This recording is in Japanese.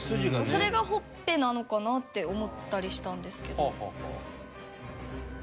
それがほっぺなのかなって思ったりしたんですけど。